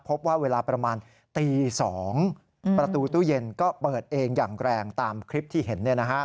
พบว่าเวลาประมาณตี๒ประตูตู้เย็นก็เปิดเองอย่างแรงตามคลิปที่เห็น